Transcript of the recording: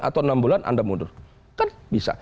atau enam bulan anda mundur kan bisa